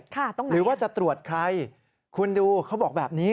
ค่ะต้องไหนครับหรือว่าจะตรวจใครคุณดูเขาบอกแบบนี้